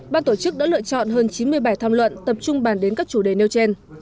ban tổ chức đã lựa chọn hơn chín mươi bài tham luận tập trung bàn đến các chủ đề nêu trên